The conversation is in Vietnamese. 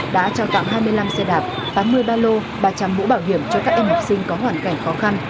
đã trao tặng hai mươi năm xe đạp tám mươi ba lô ba trăm linh mũ bảo hiểm cho các em học sinh có hoàn cảnh khó khăn